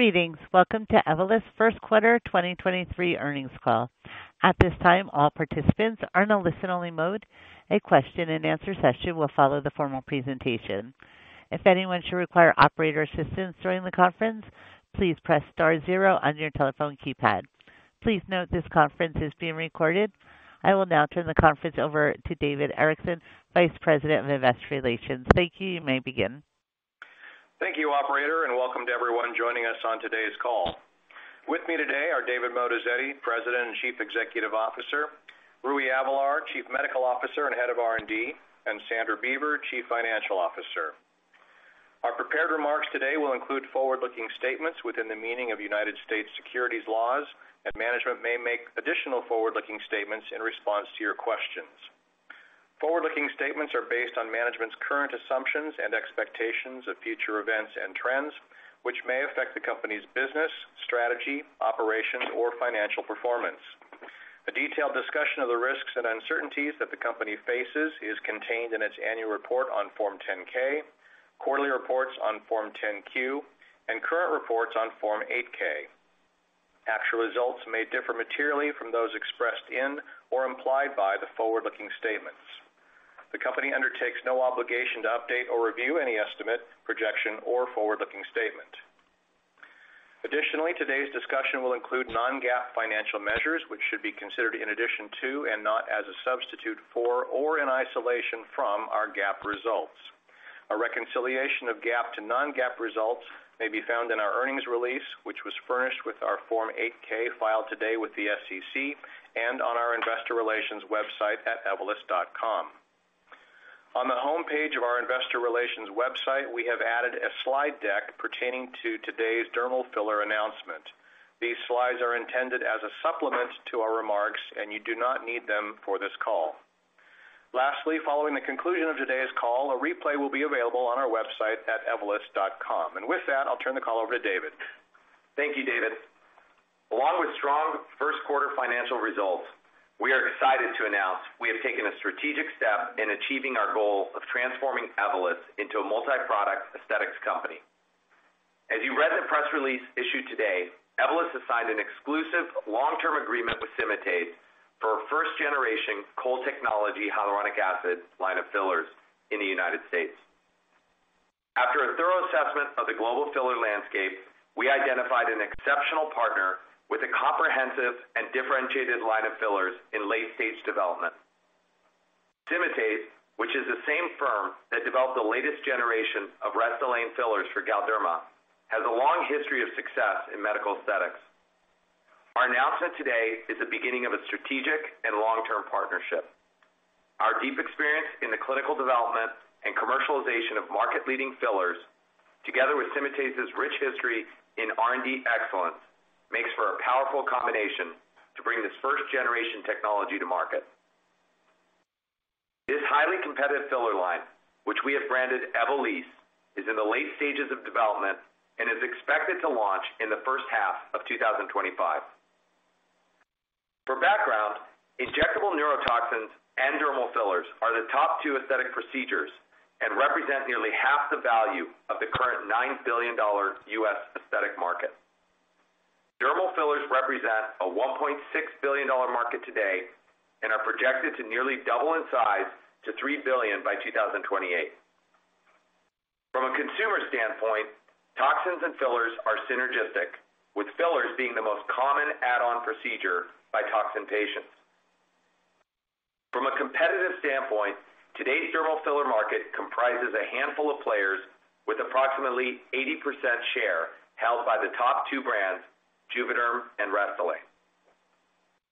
Greetings. Welcome to Evolus' First Quarter 2023 Earnings Call. At this time, all participants are in a listen-only mode. A question-and-answer session will follow the formal presentation. If anyone should require operator assistance during the conference, please press star zero on your telephone keypad. Please note this conference is being recorded. I will now turn the conference over to David Erickson, Vice President of Investor Relations. Thank you. You may begin. Thank you, operator, and welcome to everyone joining us on today's call. With me today are David Moatazedi, President and Chief Executive Officer, Rui Avelar, Chief Medical Officer and Head of R&D, and Sandra Beaver, Chief Financial Officer. Our prepared remarks today will include forward-looking statements within the meaning of United States securities laws, and management may make additional forward-looking statements in response to your questions. Forward-looking statements are based on management's current assumptions and expectations of future events and trends, which may affect the company's business, strategy, operations, or financial performance. A detailed discussion of the risks and uncertainties that the company faces is contained in its annual report on Form 10-K, quarterly reports on Form 10-Q, and current reports on Form 8-K. Actual results may differ materially from those expressed in or implied by the forward-looking statements. The company undertakes no obligation to update or review any estimate, projection, or forward-looking statement. Additionally, today's discussion will include non-GAAP financial measures, which should be considered in addition to and not as a substitute for or in isolation from our GAAP results. A reconciliation of GAAP to non-GAAP results may be found in our earnings release, which was furnished with our Form 8-K filed today with the SEC and on our investor relations website at evolus.com. On the homepage of our investor relations website, we have added a slide deck pertaining to today's dermal filler announcement. These slides are intended as a supplement to our remarks, and you do not need them for this call. Lastly, following the conclusion of today's call, a replay will be available on our website at evolus.com. With that, I'll turn the call over to David. Thank you, David. Along with strong first quarter financial results, we are excited to announce we have taken a strategic step in achieving our goal of transforming Evolus into a multi-product aesthetics company. As you read the press release issued today, Evolus has signed an exclusive long-term agreement with Symatese for a first-generation Cold-HA Technology hyaluronic acid line of fillers in the United States. After a thorough assessment of the global filler landscape, we identified an exceptional partner with a comprehensive and differentiated line of fillers in late-stage development. Symatese, which is the same firm that developed the latest generation of Restylane fillers for Galderma, has a long history of success in medical aesthetics. Our announcement today is the beginning of a strategic and long-term partnership. Our deep experience in the clinical development and commercialization of market-leading fillers, together with Symatese's rich history in R&D excellence, makes for a powerful combination to bring this first-generation technology to market. This highly competitive filler line, which we have branded Evolysse, is in the late stages of development and is expected to launch in the first half of 2025. For background, injectable neurotoxins and dermal fillers are the top two aesthetic procedures and represent nearly half the value of the current $9 billion U.S. aesthetic market. Dermal fillers represent a $1.6 billion market today and are projected to nearly double in size to $3 billion by 2028. From a consumer standpoint, toxins and fillers are synergistic, with fillers being the most common add-on procedure by toxin patients. From a competitive standpoint, today's dermal filler market comprises a handful of players with approximately 80% share held by the top two brands, JUVÉDERM and Restylane.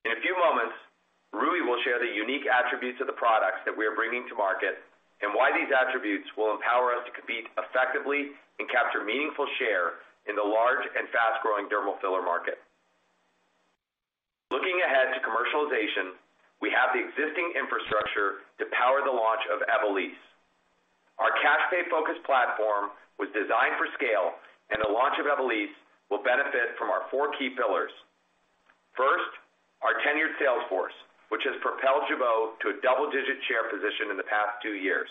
In a few moments, Rui will share the unique attributes of the products that we are bringing to market and why these attributes will empower us to compete effectively and capture meaningful share in the large and fast-growing dermal filler market. Looking ahead to commercialization, we have the existing infrastructure to power the launch of Evolysse. Our cash pay-focused platform was designed for scale, and the launch of Evolysse will benefit from our four key pillars. First, our tenured sales force, which has propelled Jeuveau to a double-digit share position in the past two years.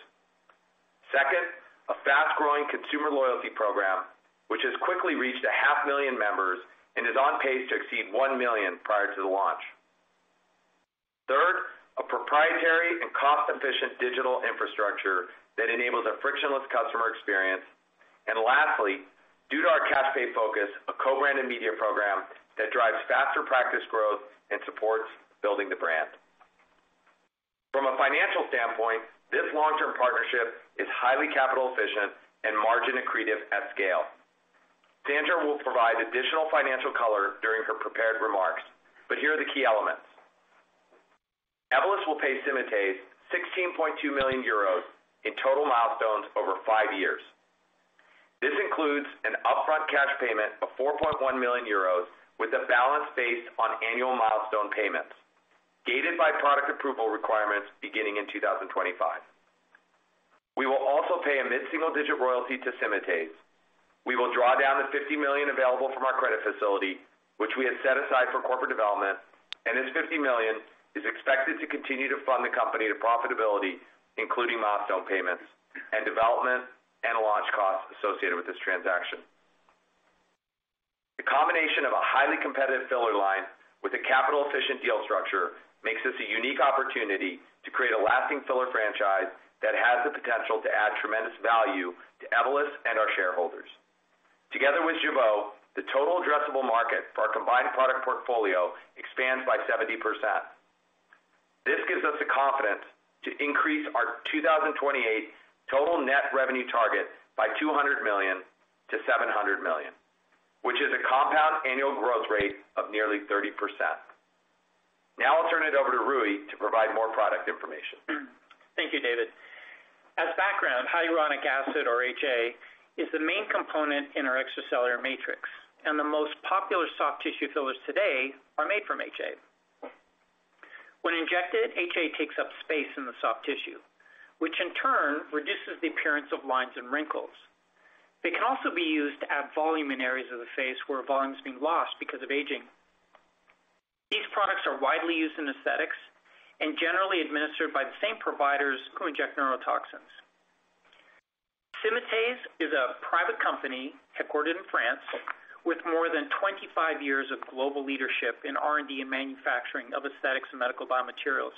Second, a fast-growing consumer loyalty program, which has quickly reached a half million members and is on pace to exceed 1 million prior to the launch. Third, a proprietary and cost-efficient digital infrastructure that enables a frictionless customer experience. Lastly, due to our cash pay focus, a co-branded media program that drives faster practice growth and supports building the brand. From a financial standpoint, this long-term partnership is highly capital efficient and margin accretive at scale. Sandra Beaver will provide additional financial color during her prepared remarks, but here are the key elements. Evolus will pay Symatese 16.2 million euros in total milestones over five years. This includes an upfront cash payment of 4.1 million euros with a balance based on annual milestone payments, gated by product approval requirements beginning in 2025. We will also pay a mid-single-digit royalty to Symatese. We will draw down the $50 million available from our credit facility, which we have set aside for corporate development. This $50 million is expected to continue to fund the company to profitability, including milestone payments and development and launch costs associated with this transaction. The combination of a highly competitive filler line with a capital-efficient deal structure makes this a unique opportunity to create a lasting filler franchise that has the potential to add tremendous value to Evolus and our shareholders. Together with Jeuveau, the total addressable market for our combined product portfolio expands by 70%. This gives us the confidence to increase our 2028 total net revenue target by $200 million to $700 million, which is a compound annual growth rate of nearly 30%. Now I'll turn it over to Rui to provide more product information. Thank you, David. As background, hyaluronic acid, or HA, is the main component in our extracellular matrix, and the most popular soft tissue fillers today are made from HA. When injected, HA takes up space in the soft tissue, which in turn reduces the appearance of lines and wrinkles. They can also be used to add volume in areas of the face where volume's been lost because of aging. These products are widely used in aesthetics and generally administered by the same providers who inject neurotoxins. Symatese is a private company headquartered in France with more than 25 years of global leadership in R&D and manufacturing of aesthetics and medical biomaterials,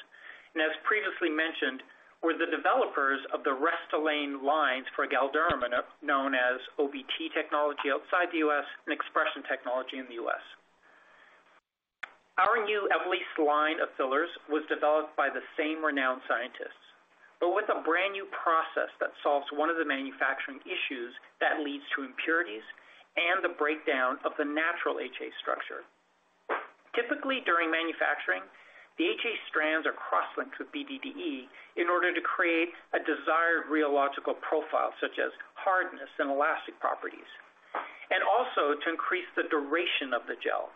and as previously mentioned, were the developers of the Restylane lines for Galderma, known as OBT technology outside the U.S. and XpresHAn Technology in the U.S. Our new Evolysse line of fillers was developed by the same renowned scientists, but with a brand-new process that solves one of the manufacturing issues that leads to impurities and the breakdown of the natural HA structure. Typically, during manufacturing, the HA strands are cross-linked with BDDE in order to create a desired rheological profile, such as hardness and elastic properties, and also to increase the duration of the gel.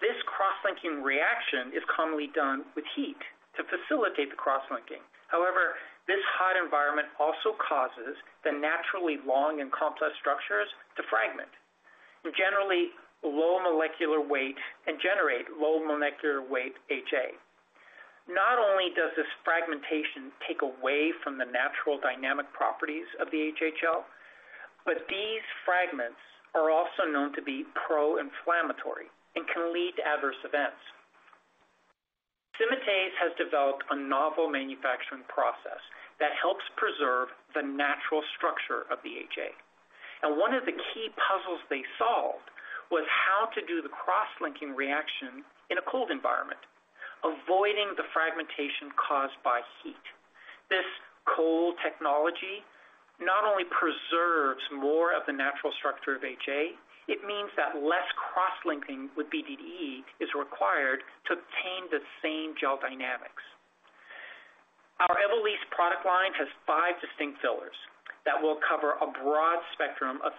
This cross-linking reaction is commonly done with heat to facilitate the cross-linking. However, this hot environment also causes the naturally long and complex structures to fragment, and generate low molecular weight HA. Not only does this fragmentation take away from the natural dynamic properties of the HA gel, but these fragments are also known to be pro-inflammatory and can lead to adverse events. Symatese has developed a novel manufacturing process that helps preserve the natural structure of the HA. One of the key puzzles they solved was how to do the cross-linking reaction in a cold environment, avoiding the fragmentation caused by heat. This cold technology not only preserves more of the natural structure of HA, it means that less cross-linking with BDDE is required to obtain the same gel dynamics. Our Evolus product line has 5 distinct fillers that will cover a broad spectrum of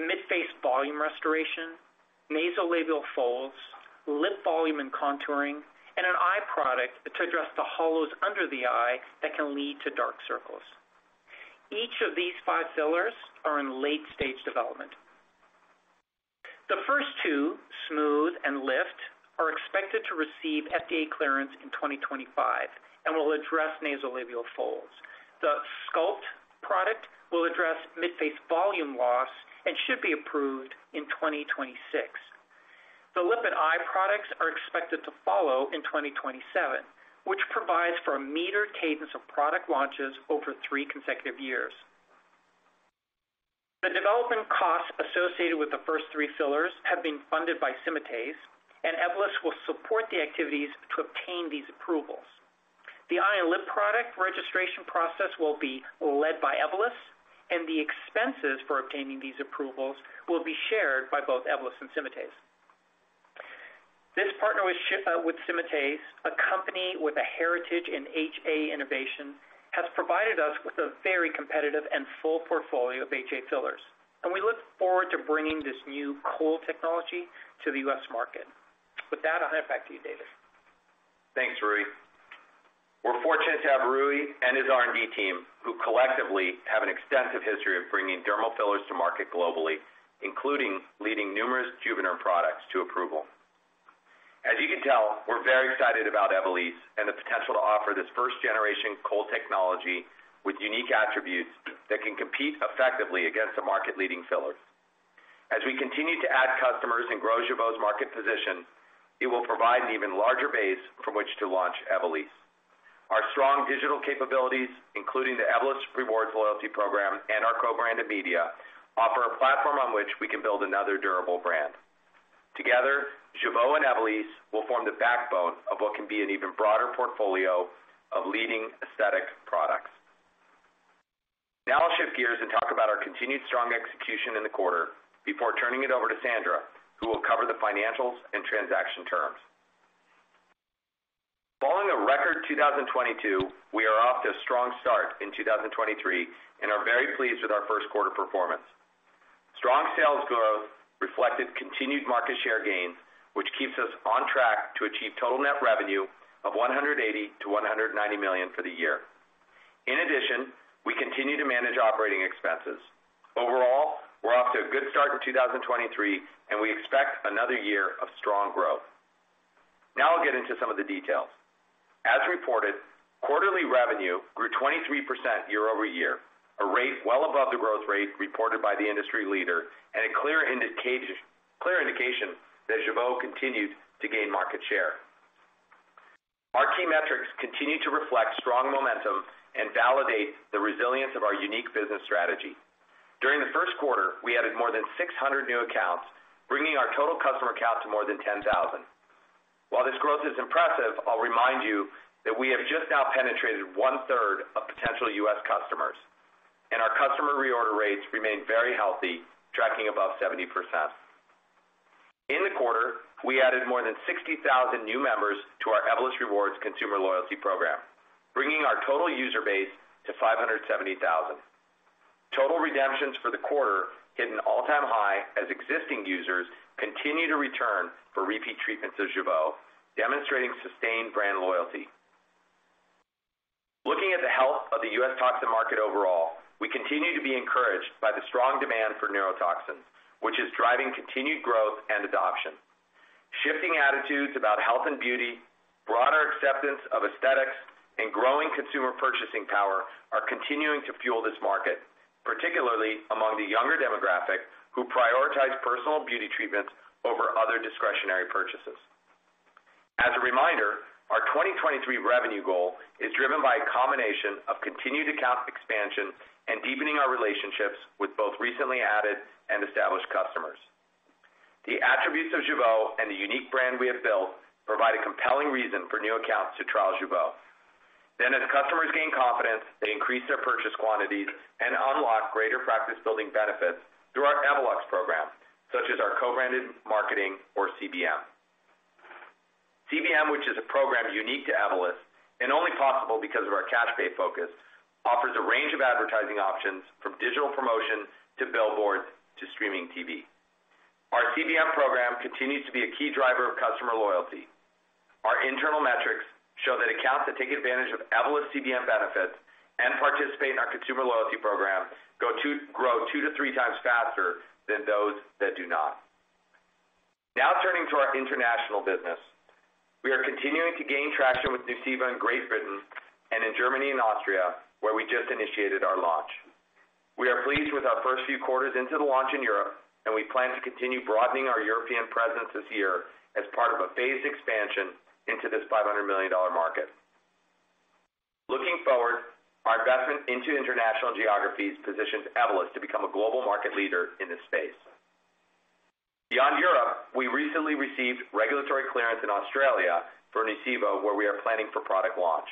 filler indications, including midface volume restoration, nasolabial folds, lip volume and contouring, and an eye product to address the hollows under the eye that can lead to dark circles. Each of these 5 fillers are in late-stage development. The first two, Smooth and Lift, are expected to receive FDA clearance in 2025 and will address nasolabial folds. The Sculpt product will address mid-facial volume loss and should be approved in 2026. The lip and eye products are expected to follow in 2027, which provides for a metered cadence of product launches over three consecutive years. The development costs associated with the first three fillers have been funded by Symatese, and Evolus will support the activities to obtain these approvals. The eye and lip product registration process will be led by Evolus, and the expenses for obtaining these approvals will be shared by both Evolus and Symatese. This partnership with Symatese, a company with a heritage in HA innovation, has provided us with a very competitive and full portfolio of HA fillers. We look forward to bringing this new Cold Technology to the U.S. market. With that, I'll hand it back to you, David. Thanks, Rui. We're fortunate to have Rui and his R&D team, who collectively have an extensive history of bringing dermal fillers to market globally, including leading numerous JUVÉDERM products to approval. As you can tell, we're very excited about Evolysse and the potential to offer this first-generation Cold-X Technology with unique attributes that can compete effectively against the market-leading fillers. As we continue to add customers and grow Jeuveau's market position, it will provide an even larger base from which to launch Evolysse. Our strong digital capabilities, including the Evolus Rewards loyalty program and our co-branded media, offer a platform on which we can build another durable brand. Together, Jeuveau and Evolysse will form the backbone of what can be an even broader portfolio of leading aesthetic products. I'll shift gears and talk about our continued strong execution in the quarter before turning it over to Sandra, who will cover the financials and transaction terms. Following a record 2022, we are off to a strong start in 2023 and are very pleased with our first quarter performance. Strong sales growth reflected continued market share gains, which keeps us on track to achieve total net revenue of $180 million-$190 million for the year. In addition, we continue to manage operating expenses. Overall, we're off to a good start in 2023, and we expect another year of strong growth. I'll get into some of the details. As reported, quarterly revenue grew 23% year-over-year, a rate well above the growth rate reported by the industry leader and a clear indication that Jeuveau continued to gain market share. Our key metrics continue to reflect strong momentum and validate the resilience of our unique business strategy. During the first quarter, we added more than 600 new accounts, bringing our total customer count to more than 10,000. While this growth is impressive, I'll remind you that we have just now penetrated 1/3 of potential US customers, and our customer reorder rates remain very healthy, tracking above 70%. In the quarter, we added more than 60,000 new members to our Evolus Rewards consumer loyalty program, bringing our total user base to 570,000. Total redemptions for the quarter hit an all-time high as existing users continue to return for repeat treatments of Jeuveau, demonstrating sustained brand loyalty. Looking at the health of the U.S. toxin market overall, we continue to be encouraged by the strong demand for neurotoxins, which is driving continued growth and adoption. Shifting attitudes about health and beauty, broader acceptance of aesthetics, and growing consumer purchasing power are continuing to fuel this market, particularly among the younger demographic who prioritize personal beauty treatments over other discretionary purchases. As a reminder, our 2023 revenue goal is driven by a combination of continued account expansion and deepening our relationships with both recently added and established customers. The attributes of Jeuveau and the unique brand we have built provide a compelling reason for new accounts to trial Jeuveau. As customers gain confidence, they increase their purchase quantities and unlock greater practice-building benefits through our Evolux program, such as our co-branded marketing or CBM. CBM, which is a program unique to Evolus and only possible because of our cash-based focus, offers a range of advertising options from digital promotions to billboards to streaming TV. Our CBM program continues to be a key driver of customer loyalty. Our internal metrics show that accounts that take advantage of Evolus CBM benefits and participate in our consumer loyalty program grow 2 to 3 times faster than those that do not. Now turning to our international business. We are continuing to gain traction with Nuceiva in Great Britain and in Germany and Austria, where we just initiated our launch. We are pleased with our first few quarters into the launch in Europe, and we plan to continue broadening our European presence this year as part of a phased expansion into this $500 million market. Looking forward, our investment into international geographies positions Evolus to become a global market leader in this space. Beyond Europe, we recently received regulatory clearance in Australia for Nuceiva, where we are planning for product launch.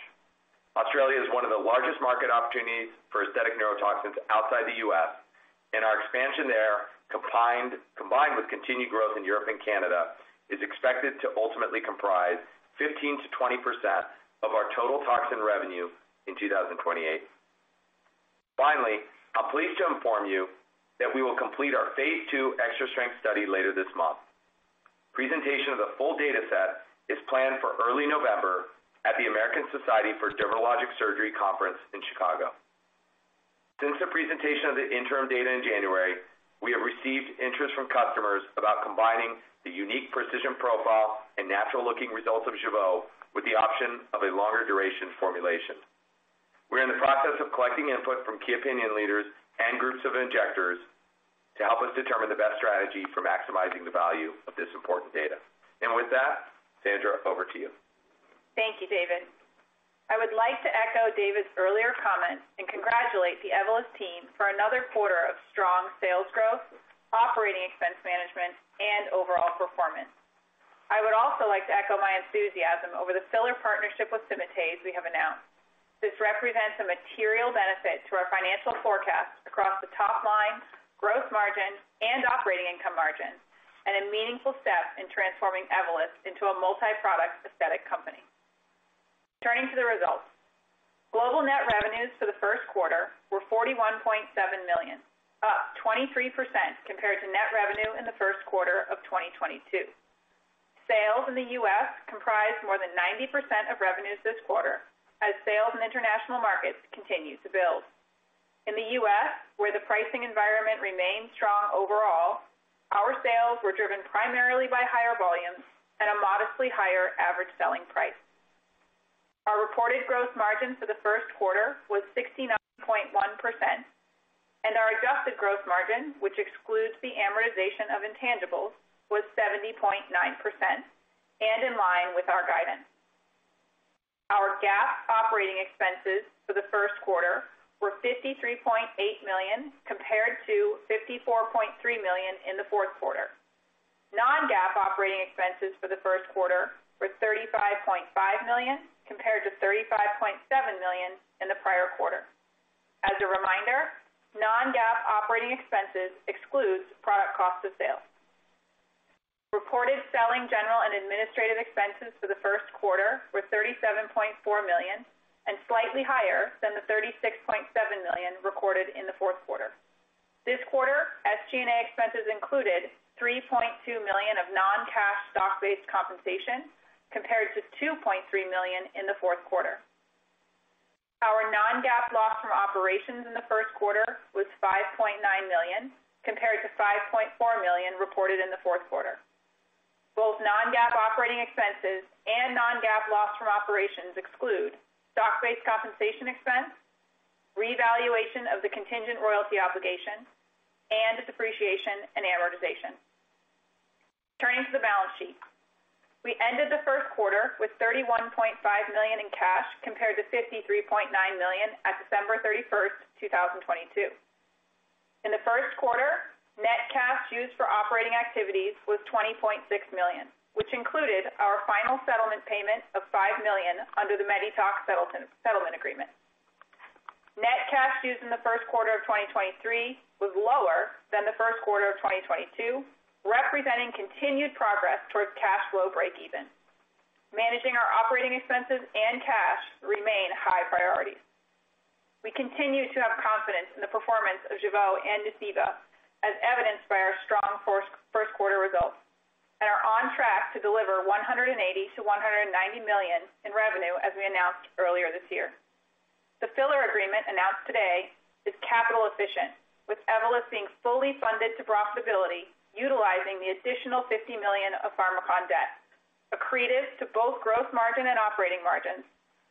Australia is one of the largest market opportunities for aesthetic neurotoxins outside the U.S., and our expansion there combined with continued growth in Europe and Canada, is expected to ultimately comprise 15%-20% of our total toxin revenue in 2028. Finally, I'm pleased to inform you that we will complete our Phase II Extra-Strength study later this month. Presentation of the full dataset is planned for early November at the American Society for Dermatologic Surgery Conference in Chicago. Since the presentation of the interim data in January, we have received interest from customers about combining the unique precision profile and natural-looking results of Jeuveau with the option of a longer duration formulation. We're in the process of collecting input from key opinion leaders and groups of injectors to help us determine the best strategy for maximizing the value of this important data. With that, Sandra, over to you. Thank you, David. I would like to echo David's earlier comments and congratulate the Evolus team for another quarter of strong sales growth, operating expense management, and overall performance. I would also like to echo my enthusiasm over the filler partnership with Symatese we have announced. This represents a material benefit to our financial forecast across the top line, growth margin, and operating income margin, and a meaningful step in transforming Evolus into a multiproduct aesthetic company. Turning to the results. Global net revenues for the first quarter were $41.7 million, up 23% compared to net revenue in the first quarter of 2022. Sales in the U.S. comprised more than 90% of revenues this quarter as sales in international markets continue to build. In the U.S., where the pricing environment remains strong overall, our sales were driven primarily by higher volumes at a modestly higher average selling price. Our reported gross margin for the first quarter was 69.1%, and our adjusted gross margin, which excludes the amortization of intangibles, was 70.9% and in line with our guidance. Our GAAP operating expenses for the first quarter were $53.8 million compared to $54.3 million in the fourth quarter. Non-GAAP operating expenses for the first quarter were $35.5 million compared to $35.7 million in the prior quarter. As a reminder, non-GAAP operating expenses excludes product cost of sales. Reported selling, general, and administrative expenses for the first quarter were $37.4 million and slightly higher than the $36.7 million recorded in the fourth quarter. This quarter, SG&A expenses included $3.2 million of non-cash stock-based compensation compared to $2.3 million in the fourth quarter. Our non-GAAP loss from operations in the first quarter was $5.9 million, compared to $5.4 million reported in the fourth quarter. Both non-GAAP operating expenses and non-GAAP loss from operations exclude stock-based compensation expense, revaluation of the contingent royalty obligation, and depreciation and amortization. Turning to the balance sheet. We ended the first quarter with $31.5 million in cash compared to $53.9 million at December 31, 2022. In the first quarter, net cash used for operating activities was $20.6 million, which included our final settlement payment of $5 million under the Medytox settlement agreement. Net cash used in the first quarter of 2023 was lower than the first quarter of 2022, representing continued progress towards cash flow breakeven. Managing our operating expenses and cash remain high priorities. We continue to have confidence in the performance of Jeuveau and, as evidenced by our strong first quarter results, are on track to deliver $180 million-$190 million in revenue, as we announced earlier this year. The filler agreement announced today is capital efficient, with Evolus being fully funded to profitability utilizing the additional $50 million of Pharmakon debt, accretive to both gross margin and operating margins,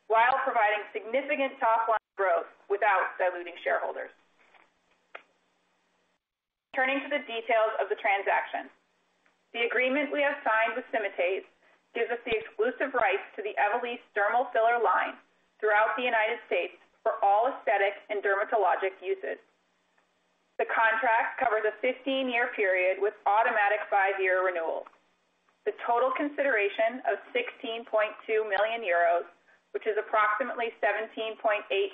while providing significant top-line growth without diluting shareholders. Turning to the details of the transaction. The agreement we have signed with Symatese gives us the exclusive rights to the Evolysse dermal filler line throughout the United States for all aesthetic and dermatologic uses. The contract covers a 15-year period with automatic 5-year renewals. The total consideration of 16.2 million euros, which is approximately $17.8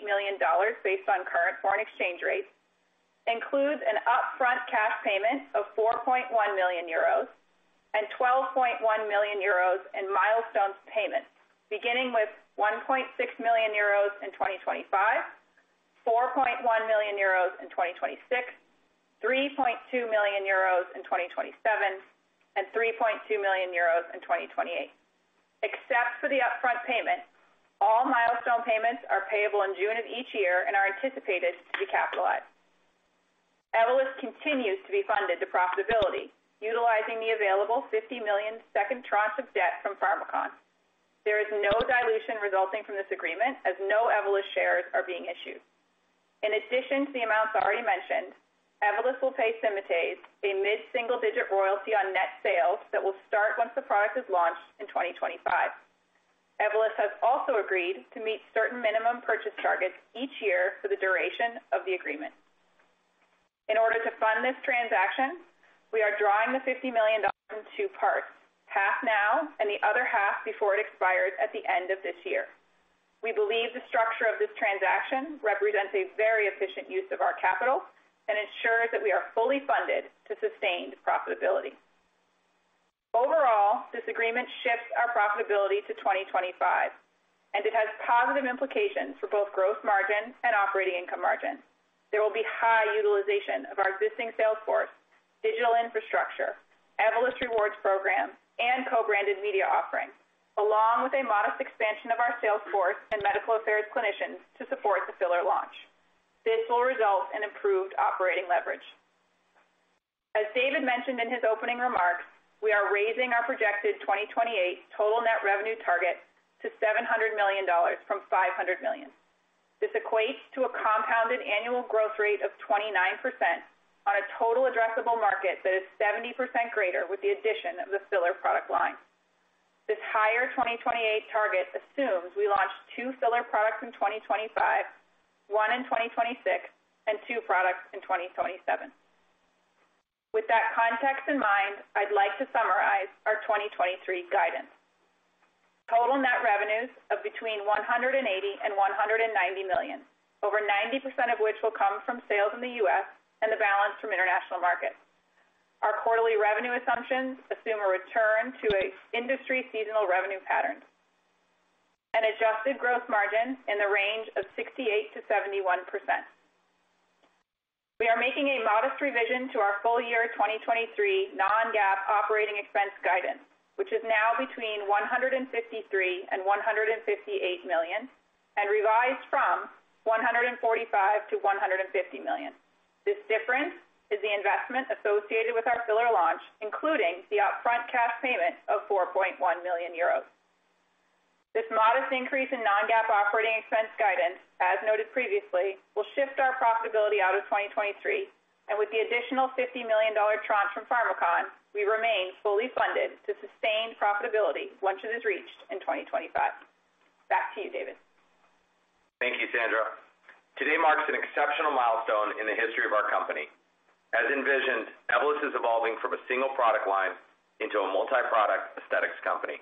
million based on current foreign exchange rates, includes an upfront cash payment of 4.1 million euros and 12.1 million euros in milestones payments, beginning with 1.6 million euros in 2025, 4.1 million euros in 2026, 3.2 million euros in 2027, and 3.2 million euros in 2028. Except for the upfront payment, all milestone payments are payable in June of each year and are anticipated to be capitalized. Evolus continues to be funded to profitability, utilizing the available $50 million second tranche of debt from Pharmakon. There is no dilution resulting from this agreement as no Evolus shares are being issued. In addition to the amounts already mentioned, Evolus will pay Symatese a mid-single-digit royalty on net sales that will start once the product is launched in 2025. Evolus has also agreed to meet certain minimum purchase targets each year for the duration of the agreement. In order to fund this transaction, we are drawing the $50 million in two parts, half now and the other half before it expires at the end of this year. We believe the structure of this transaction represents a very efficient use of our capital and ensures that we are fully funded to sustained profitability. Overall, this agreement shifts our profitability to 2025, and it has positive implications for both gross margin and operating income margin. There will be high utilization of our existing sales force, digital infrastructure, Evolus Rewards program, and co-branded media offerings, along with a modest expansion of our sales force and medical affairs clinicians to support the filler launch. This will result in improved operating leverage. As David mentioned in his opening remarks, we are raising our projected 2028 total net revenue target to $700 million from $500 million. This equates to a compounded annual growth rate of 29% on a total addressable market that is 70% greater with the addition of the filler product line. This higher 2028 target assumes we launch 2 filler products in 2025, 1 in 2026, and 2 products in 2027. With that context in mind, I'd like to summarize our 2023 guidance. Total net revenues of between $180 million and $190 million, over 90% of which will come from sales in the U.S. and the balance from international markets. Our quarterly revenue assumptions assume a return to a industry seasonal revenue pattern. An adjusted gross margin in the range of 68%-71%. We are making a modest revision to our full year 2023 non-GAAP operating expense guidance, which is now between $153 million and $158 million and revised from $145 million to $150 million. This difference is the investment associated with our filler launch, including the upfront cash payment of 4.1 million euros. This modest increase in non-GAAP operating expense guidance, as noted previously, will shift our profitability out of 2023, and with the additional $50 million tranche from Pharmakon, we remain fully funded to sustained profitability once it is reached in 2025. Back to you, David. Thank you, Sandra. Today marks an exceptional milestone in the history of our company. As envisioned, Evolus is evolving from a single product line into a multi-product aesthetics company.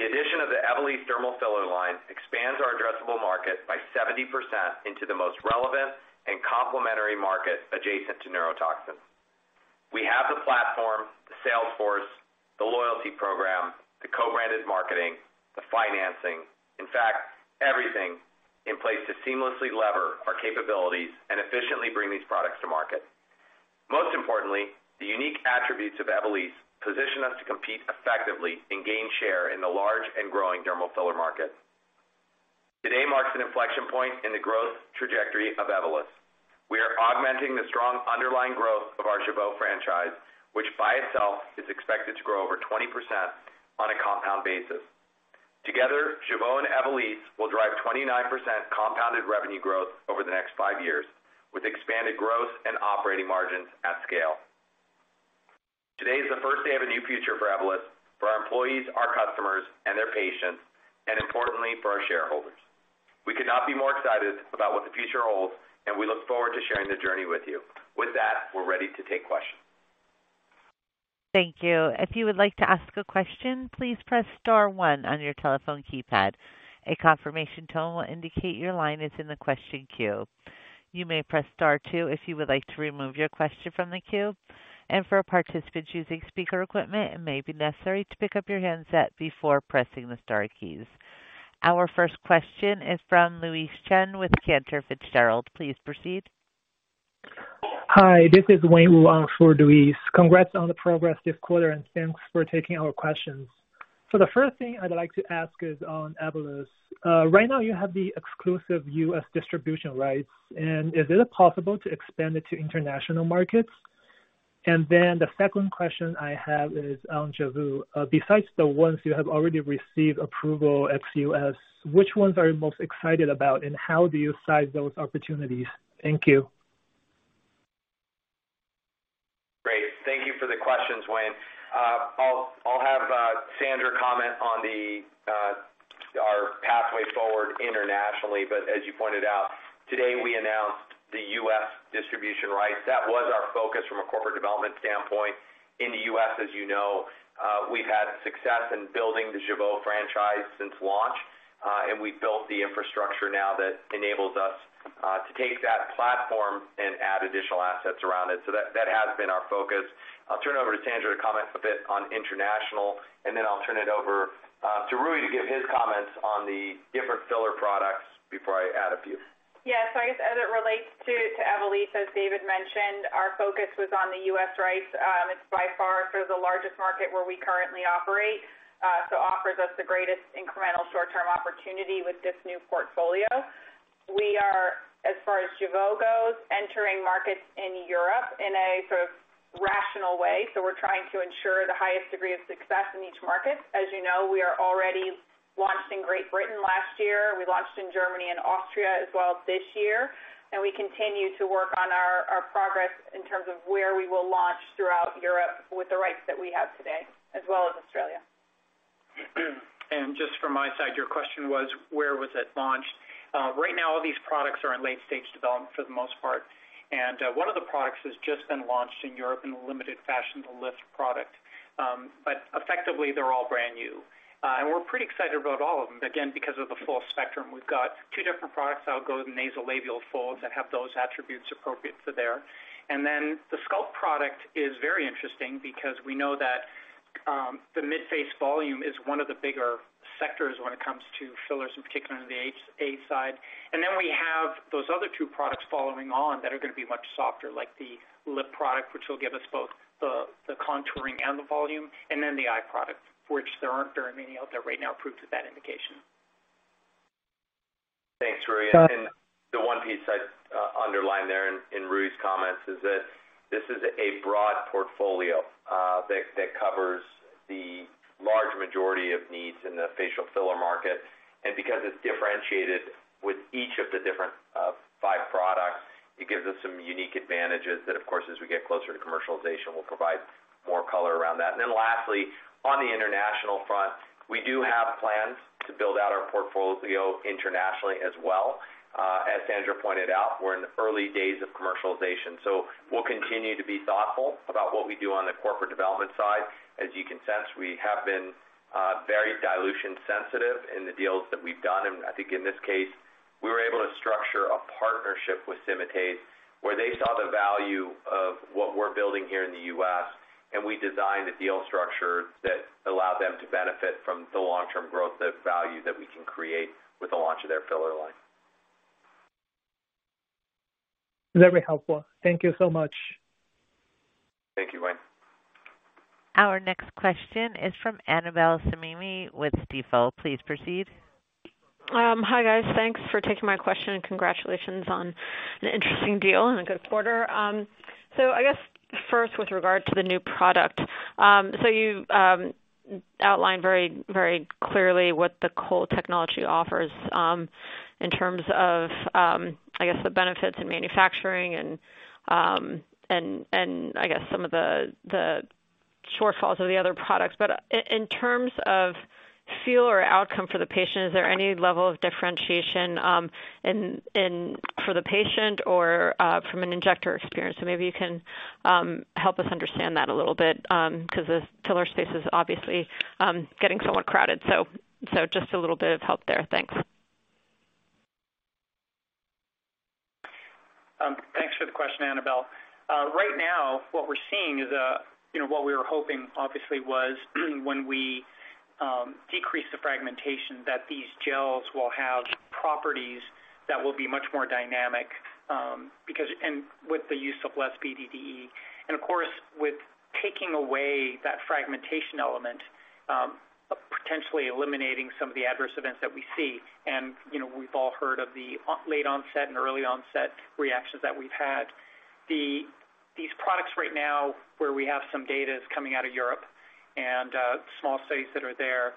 The addition of the Evolysse dermal filler line expands our addressable market by 70% into the most relevant and complementary market adjacent to neuromodulators. The sales force, the loyalty program, the co-branded marketing, the financing, in fact, everything in place to seamlessly lever our capabilities and efficiently bring these products to market. Most importantly, the unique attributes of Evolus position us to compete effectively and gain share in the large and growing dermal filler market. Today marks an inflection point in the growth trajectory of Evolus. We are augmenting the strong underlying growth of our Jeuveau franchise, which by itself is expected to grow over 20% on a compound basis. Together, Jeuveau and Evolus will drive 29% compounded revenue growth over the next five years, with expanded growth and operating margins at scale. Today is the first day of a new future for Evolus, for our employees, our customers, and their patients, and importantly, for our shareholders. We could not be more excited about what the future holds, and we look forward to sharing the journey with you. With that, we're ready to take questions. Thank you. If you would like to ask a question, please press star one on your telephone keypad. A confirmation tone will indicate your line is in the question queue. You may press star two if you would like to remove your question from the queue. For participants using speaker equipment, it may be necessary to pick up your handset before pressing the star keys. Our first question is from Louise Chen with Cantor Fitzgerald. Please proceed. Hi, this is Wayne Wu. I'm sure, Louise. Congrats on the progress this quarter, thanks for taking our questions. The first thing I'd like to ask is on Evolus. Right now you have the exclusive U.S. distribution rights, is it possible to expand it to international markets? The second question I have is on Jeuveau. Besides the ones you have already received approval at U.S., which ones are you most excited about and how do you size those opportunities? Thank you. Great. Thank you for the questions, Wayne. I'll have Sandra comment on our pathway forward internationally. As you pointed out, today we announced the U.S. distribution rights. That was our focus from a corporate development standpoint in the U.S., as you know. We've had success in building the Jeuveau franchise since launch, and we've built the infrastructure now that enables us to take that platform and add additional assets around it. That has been our focus. I'll turn it over to Sandra to comment a bit on international, and then I'll turn it over to Rui to give his comments on the different filler products before I add a few. Yes. I guess as it relates to Evolus, as David mentioned, our focus was on the U.S. rights. It's by far sort of the largest market where we currently operate, so offers us the greatest incremental short-term opportunity with this new portfolio. We are, as far as Jeuveau goes, entering markets in Europe in a sort of rational way, so we're trying to ensure the highest degree of success in each market. As you know, we are already launched in Great Britain last year. We launched in Germany and Austria as well this year. We continue to work on our progress in terms of where we will launch throughout Europe with the rights that we have today, as well as Australia. Just from my side, your question was, where was it launched? Right now all these products are in late stage development for the most part. One of the products has just been launched in Europe in a limited fashion, the lift product. Effectively, they're all brand new. We're pretty excited about all of them, again, because of the full spectrum. We've got two different products that'll go to the nasolabial folds that have those attributes appropriate to there. Then the sculpt product is very interesting because we know that the mid-face volume is one of the bigger sectors when it comes to fillers, in particular on the A.A. side. Then we have those other two products following on that are gonna be much softer, like the lip product, which will give us both the contouring and the volume, and then the eye product, which there aren't very many out there right now approved for that indication. Thanks, Rui. The one piece I'd underline there in Rui's comments is that this is a broad portfolio that covers the large majority of needs in the facial filler market. Because it's differentiated with each of the different five products, it gives us some unique advantages that of course, as we get closer to commercialization, we'll provide more color around that. Lastly, on the international front, we do have plans to build out our portfolio internationally as well. As Sandra pointed out, we're in the early days of commercialization, so we'll continue to be thoughtful about what we do on the corporate development side. As you can sense, we have been very dilution sensitive in the deals that we've done. I think in this case, we were able to structure a partnership with Symatese where they saw the value of what we're building here in the U.S., and we designed a deal structure that allowed them to benefit from the long-term growth, the value that we can create with the launch of their filler line. Very helpful. Thank you so much. Thank you, Wayne. Our next question is from Annabel Samimy with Stifel. Please proceed. Hi, guys. Thanks for taking my question, and congratulations on an interesting deal and a good quarter. I guess first with regard to the new product, you've outlined very, very clearly what the Cold-HA Technology offers in terms of, I guess, the benefits in manufacturing and I guess some of the shortfalls of the other products. In terms of feel or outcome for the patient, is there any level of differentiation in, for the patient or from an injector experience? Maybe you can help us understand that a little bit, 'cause the filler space is obviously getting somewhat crowded. Just a little bit of help there. Thanks. Thanks for the question, Annabel. Right now, what we're seeing is, you know, what we were hoping, obviously, was when we decrease the fragmentation, that these gels will have properties that will be much more dynamic, because and with the use of less BDDE. Of course, with taking away that fragmentation element, potentially eliminating some of the adverse events that we see, and, you know, we've all heard of the late onset and early onset reactions that we've had. These products right now where we have some data is coming out of Europe and small studies that are there.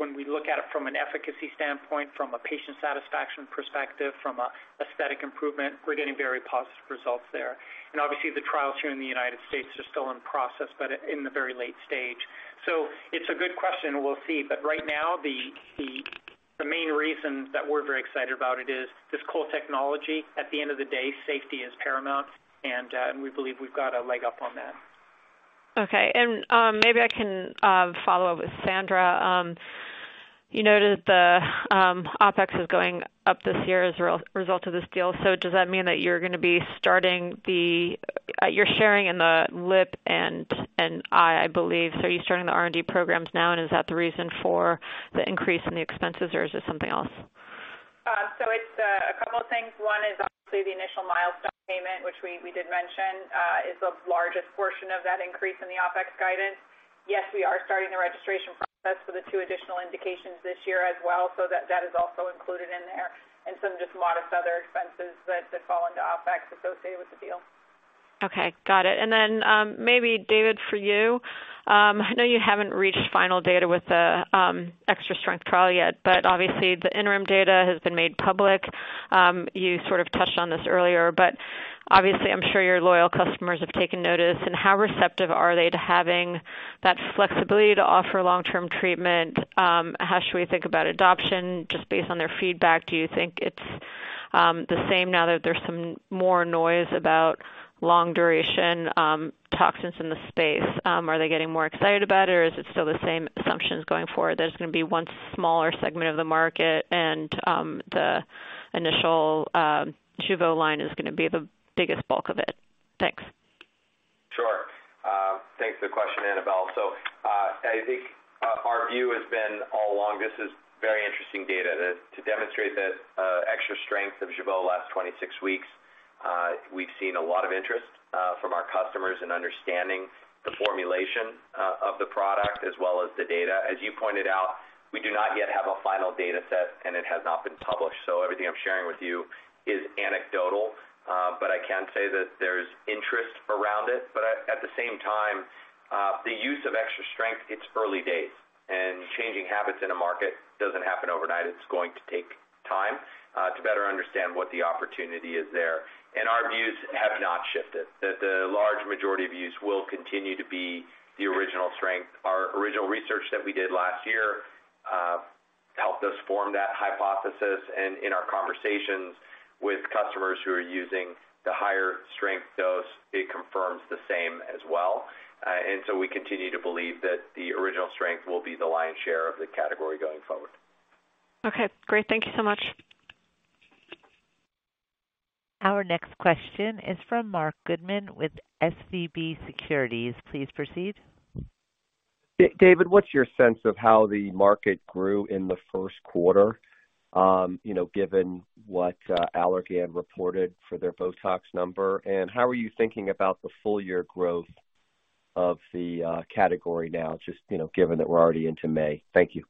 When we look at it from an efficacy standpoint, from a patient satisfaction perspective, from an aesthetic improvement, we're getting very positive results there. Obviously, the trials here in the United States are still in process, but in the very late stage. It's a good question. We'll see. Right now, the main reason that we're very excited about it is this cool technology. At the end of the day, safety is paramount, and we believe we've got a leg up on that. Okay. Maybe I can follow up with Sandra. You noted the OpEx is going up this year as a result of this deal. Does that mean that you're gonna be you're sharing in the lip and eye, I believe. Are you starting the R&D programs now, and is that the reason for the increase in the expenses, or is it something else? It's a couple of things. One is obviously the initial milestone payment, which we did mention, is the largest portion of that increase in the OpEx guidance. Yes, we are starting the registration process for the two additional indications this year as well. That is also included in there. Some just modest other expenses that fall into OpEx associated with the deal. Okay, got it. Then, maybe David, for you, I know you haven't reached final data with the Extra-Strength trial yet, but obviously the interim data has been made public. You sort of touched on this earlier, but obviously I'm sure your loyal customers have taken notice. How receptive are they to having that flexibility to offer long-term treatment? How should we think about adoption just based on their feedback? Do you think it's the same now that there's some more noise about long duration, toxins in the space? Are they getting more excited about it, or is it still the same assumptions going forward that it's gonna be one smaller segment of the market and the initial Jeuveau line is gonna be the biggest bulk of it? Thanks. Sure. Thanks for the question, Annabel. I think our view has been all along this is very interesting data. To demonstrate the Extra-Strength of Jeuveau last 26 weeks, we've seen a lot of interest from our customers in understanding the formulation of the product as well as the data. As you pointed out, we do not yet have a final data set, and it has not been published. Everything I'm sharing with you is anecdotal, but I can say that there's interest around it. At the same time, the use of Extra-Strength, it's early days, and changing habits in a market doesn't happen overnight. It's going to take time to better understand what the opportunity is there. Our views have not shifted, that the large majority of use will continue to be the original strength. Our original research that we did last year, helped us form that hypothesis. In our conversations with customers who are using the higher strength dose, it confirms the same as well. We continue to believe that the original strength will be the lion's share of the category going forward. Okay, great. Thank you so much. Our next question is from Marc Goodman with SVB Securities. Please proceed. David, what's your sense of how the market grew in the first quarter, you know, given what Allergan reported for their Botox number? How are you thinking about the full year growth of the category now, just, you know, given that we're already into May? Thank you.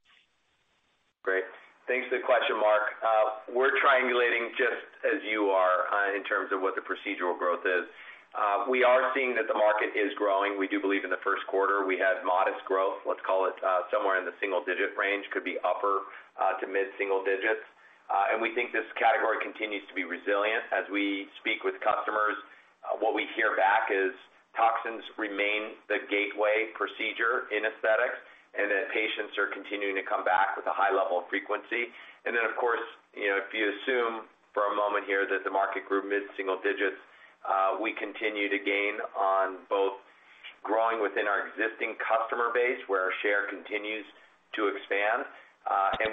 Great. Thanks for the question, Marc. We're triangulating just as you are, in terms of what the procedural growth is. We are seeing that the market is growing. We do believe in the first quarter we had modest growth, let's call it, somewhere in the single-digit range, could be upper, to mid-single digits. We think this category continues to be resilient. As we speak with customers, what we hear back is toxins remain the gateway procedure in aesthetics, and that patients are continuing to come back with a high level of frequency. Then of course, you know, if you assume for a moment here that the market grew mid-single digits, we continue to gain on both growing within our existing customer base, where our share continues to expand.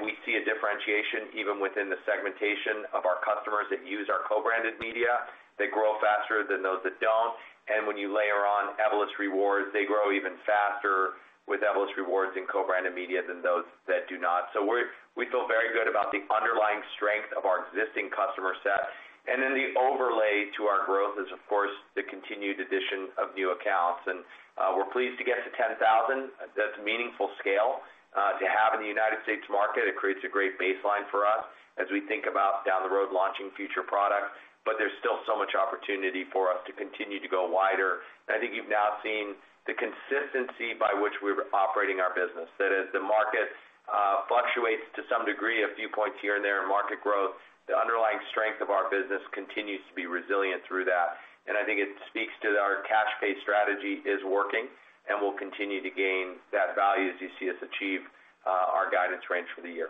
We see a differentiation even within the segmentation of our customers that use our co-branded media. They grow faster than those that don't. When you layer on Evolus Rewards, they grow even faster with Evolus Rewards in co-branded media than those that do not. We feel very good about the underlying strength of our existing customer set. The overlay to our growth is, of course, the continued addition of new accounts. We're pleased to get to 10,000. That's meaningful scale to have in the United States market. It creates a great baseline for us as we think about down the road launching future products, but there's still so much opportunity for us to continue to go wider. I think you've now seen the consistency by which we're operating our business. That is, the market fluctuates to some degree, a few points here and there in market growth. The underlying strength of our business continues to be resilient through that. I think it speaks to our cash pay strategy is working, and we'll continue to gain that value as you see us achieve our guidance range for the year.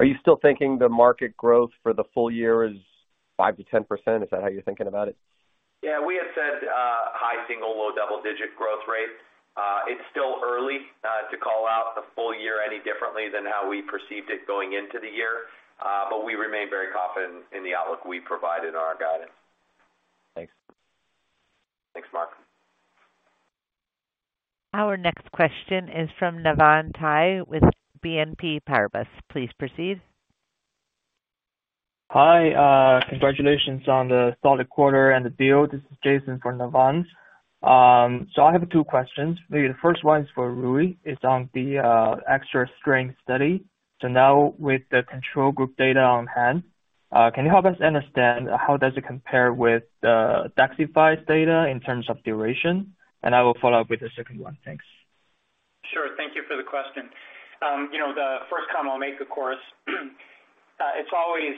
Are you still thinking the market growth for the full year is 5%-10%? Is that how you're thinking about it? We had said, high single, low double-digit growth rate. It's still early, to call out the full year any differently than how we perceived it going into the year. We remain very confident in the outlook we provided in our guidance. Thanks. Thanks, Marc. Our next question is from Navann Ty with BNP Paribas. Please proceed. Hi, congratulations on the solid quarter and the deal. This is Jason from Navan. I have two questions. Maybe the first one is for Rui. It's on the Extra-Strength study. Now with the control group data on hand, can you help us understand how does it compare with DAXXIFY's data in terms of duration? I will follow up with the second one. Thanks. Sure. Thank you for the question. You know, the first comment I'll make, of course, it's always,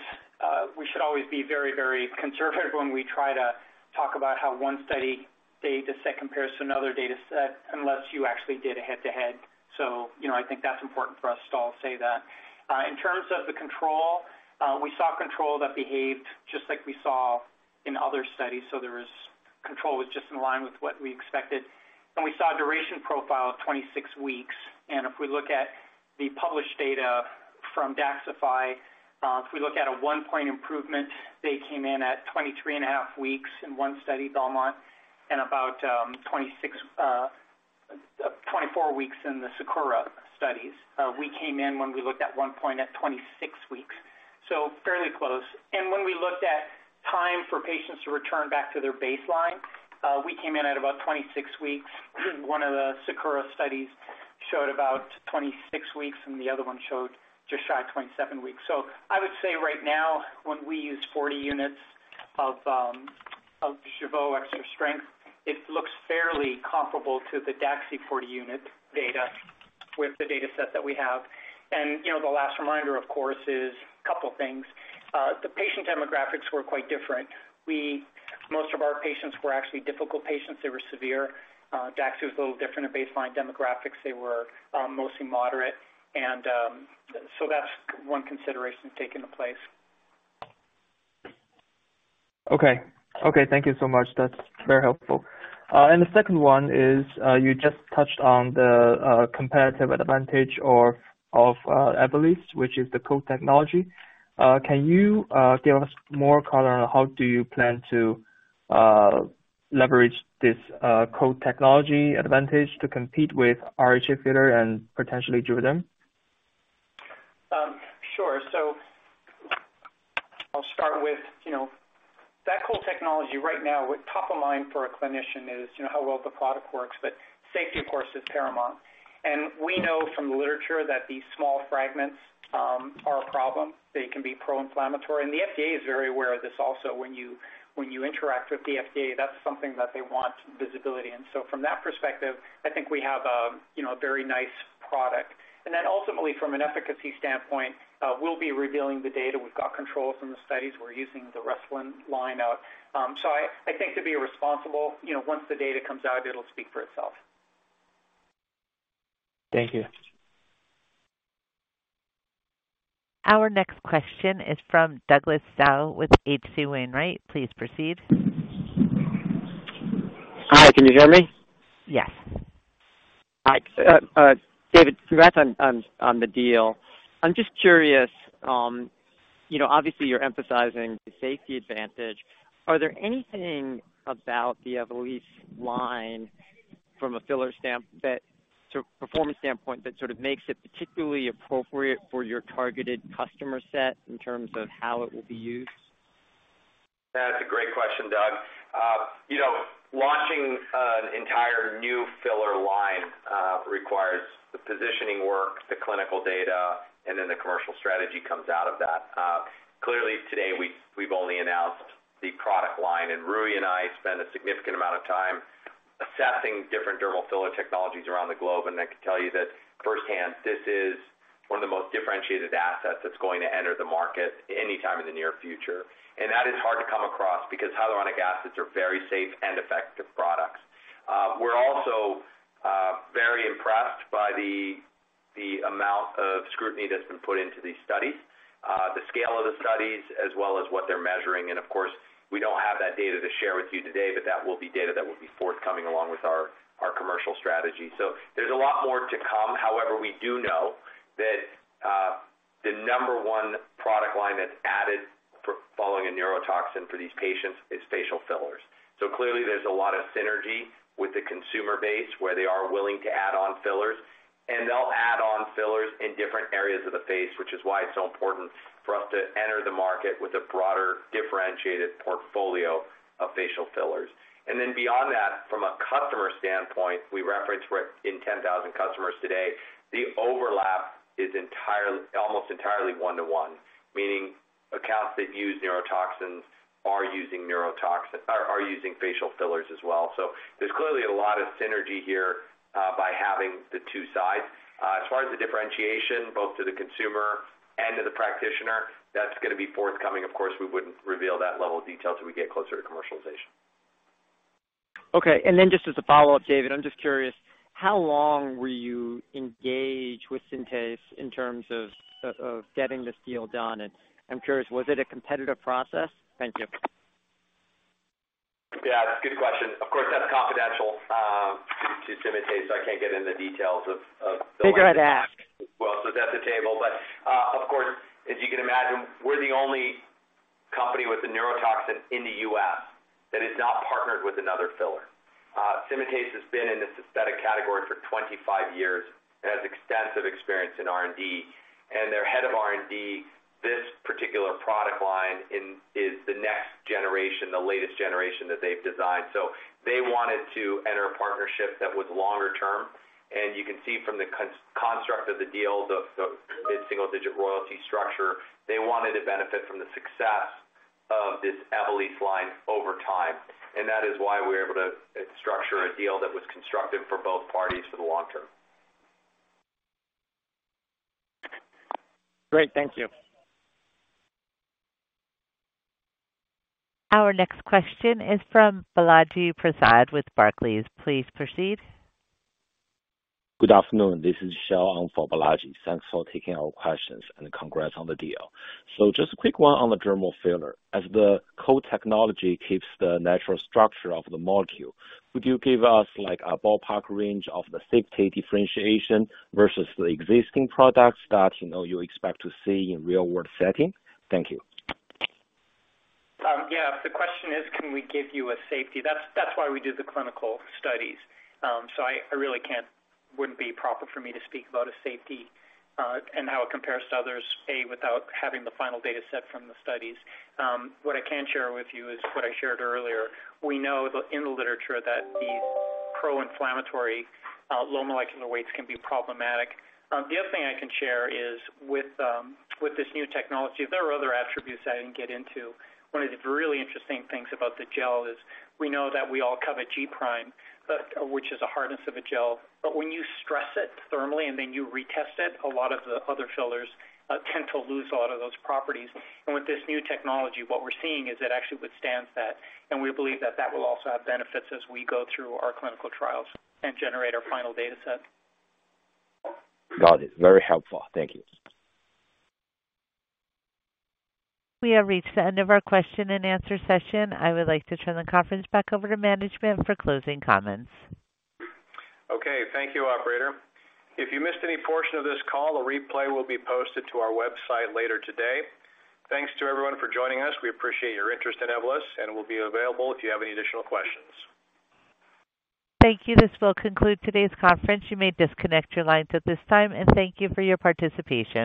we should always be very, very conservative when we try to talk about how one study data set compares to another data set unless you actually did a head-to-head. You know, I think that's important for us to all say that. In terms of the control, we saw control that behaved just like we saw in other studies. There was control just in line with what we expected. We saw a duration profile of 26 weeks. If we look at the published data from DAXXIFY, if we look at a 1-point improvement, they came in at 23.5 weeks in one study, Belmont, and about 26, 24 weeks in the SAKURA studies. We came in when we looked at 1 point at 26 weeks, fairly close. When we looked at time for patients to return back to their baseline, we came in at about 26 weeks. One of the SAKURA studies showed about 26 weeks, and the other one showed just shy of 27 weeks. I would say right now, when we use 40 units of Jeuveau Extra-Strength, it looks fairly comparable to the DAXI 40 unit data with the data set that we have. You know, the last reminder, of course, is a couple of things. The patient demographics were quite different. Most of our patients were actually difficult patients. They were severe. DAXI was a little different at baseline demographics. They were mostly moderate and that's one consideration taken in place. Okay. Okay, thank you so much. That's very helpful. The second one is, you just touched on the comparative advantage or of Evolus, which is the Cold-HA Technology. Can you give us more color on how do you plan to leverage this Cold-HA Technology advantage to compete with RHA Collection and potentially JUVÉDERM? Sure. I'll start with, you know, that Cold-HA Technology right now with top of mind for a clinician is, you know, how well the product works, but safety, of course, is paramount. We know from the literature that these small fragments are a problem. They can be pro-inflammatory. The FDA is very aware of this also. When you, when you interact with the FDA, that's something that they want visibility. From that perspective, I think we have a, you know, a very nice product. Ultimately from an efficacy standpoint, we'll be revealing the data. We've got controls in the studies. We're using the Restylane line out. I think to be responsible, you know, once the data comes out, it'll speak for itself. Thank you. Our next question is from Douglas Tsao with H.C. Wainwright. Please proceed. Hi, can you hear me? Yes. Hi. David, congrats on the deal. I'm just curious, you know, obviously you're emphasizing the safety advantage. Are there anything about the Evolysse line from a filler standpoint that sort of performance standpoint that sort of makes it particularly appropriate for your targeted customer set in terms of how it will be used? That's a great question, Doug. You know, launching an entire new filler line requires the positioning work, the clinical data, and then the commercial strategy comes out of that. Clearly today we've only announced the product line, and Rui and I spend a significant amount of time assessing different dermal filler technologies around the globe. I can tell you that firsthand, this is one of the most differentiated assets that's going to enter the market anytime in the near future. That is hard to come across because hyaluronic acids are very safe and effective products. We're also very impressed by the amount of scrutiny that's been put into these studies, the scale of the studies, as well as what they're measuring. Of course, we don't have that data to share with you today, but that will be data that will be forthcoming along with our commercial strategy. There's a lot more to come. However, we do know that the number one product line that's added for following a neurotoxin for these patients is facial fillers. Clearly, there's a lot of synergy with the consumer base where they are willing to add on fillers, and they'll add on fillers in different areas of the face, which is why it's so important for us to enter the market with a broader differentiated portfolio of facial fillers. Beyond that, from a customer standpoint, we referenced we're in 10,000 customers today. The overlap is almost entirely one to one, meaning accounts that use neurotoxins are using facial fillers as well. There's clearly a lot of synergy here, by having the two sides. As far as the differentiation, both to the consumer and to the practitioner, that's gonna be forthcoming. Of course, we wouldn't reveal that level of detail till we get closer to commercialization. Okay. Then just as a follow-up, David, I'm just curious, how long were you engaged with Symatese in terms of getting this deal done? I'm curious, was it a competitive process? Thank you. Yeah, good question. Of course, that's confidential to Symatese, I can't get into the details of. Figured I'd ask. Does the table. Of course, as you can imagine, we're the only company with a neurotoxin in the U.S. that is not partnered with another filler. Symatese has been in this aesthetic category for 25 years and has extensive experience in R&D. Their head of R&D, this particular product line is the next generation, the latest generation that they've designed. They wanted to enter a partnership that was longer term. You can see from the construct of the deal, the mid-single digit royalty structure, they wanted to benefit from the success of this Evolus line over time. That is why we were able to structure a deal that was constructive for both parties for the long term. Great. Thank you. Our next question is from Balaji Prasad with Barclays. Please proceed. Good afternoon. This is Xiao on for Balaji. Thanks for taking our questions and congrats on the deal. Just a quick one on the dermal filler. As the Cold-HA Technology keeps the natural structure of the molecule, could you give us, like, a ballpark range of the safety differentiation versus the existing products that, you know, you expect to see in real world setting? Thank you. Yeah. The question is, can we give you a safety? That's why we do the clinical studies. I really wouldn't be proper for me to speak about a safety and how it compares to others, A, without having the final data set from the studies. What I can share with you is what I shared earlier. We know in the literature that these pro-inflammatory low molecular weights can be problematic. The other thing I can share is with this new technology, there are other attributes I didn't get into. One of the really interesting things about the gel is we know that we all have a G prime, which is a hardness of a gel. When you stress it thermally and then you retest it, a lot of the other fillers tend to lose a lot of those properties. With this new technology, what we're seeing is it actually withstands that. We believe that that will also have benefits as we go through our clinical trials and generate our final data set. Got it. Very helpful. Thank you. We have reached the end of our question and answer session. I would like to turn the conference back over to management for closing comments. Thank you, operator. If you missed any portion of this call, a replay will be posted to our website later today. Thanks to everyone for joining us. We appreciate your interest in Evolus and we'll be available if you have any additional questions. Thank you. This will conclude today's conference. You may disconnect your lines at this time and thank you for your participation.